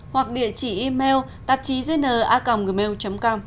hoặc địa chỉ email tạp chí dnacomgmail com